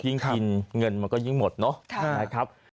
ยิ่งขับเงินมันก็ยิ่งหมดนะครับ